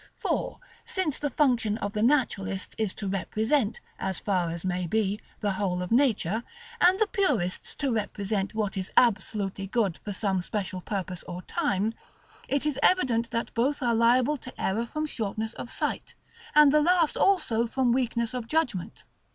For, since the function of the Naturalists is to represent, as far as may be, the whole of nature, and the Purists to represent what is absolutely good for some special purpose or time, it is evident that both are liable to error from shortness of sight, and the last also from weakness of judgment.